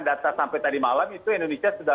data sampai tadi malam itu indonesia sudah